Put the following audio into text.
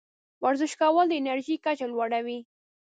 ورزش کول د انرژۍ کچه لوړوي.